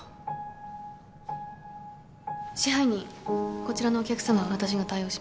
支配人こちらのお客様は私が対応します。